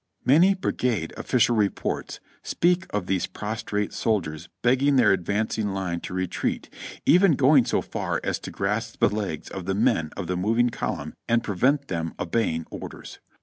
Many brigade official reports speak of these prostrate sol diers begging their advancing line to retreat, even going so far as to grasp the legs of the men of the moving column and pre vent them obeying orders.